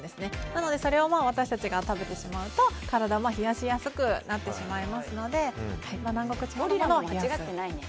なのでそれを私たちが食べてしまうと体を冷やしやすくなってしまいますので。